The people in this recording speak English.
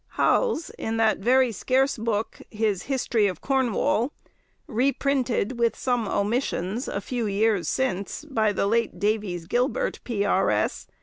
Hals, in that very scarce book, his 'History of Cornwall,' reprinted, with some omissions, a few years since, by the late Davies Gilbert, P.R.S.